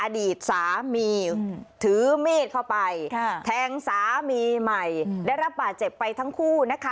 อดีตสามีถือมีดเข้าไปแทงสามีใหม่ได้รับบาดเจ็บไปทั้งคู่นะคะ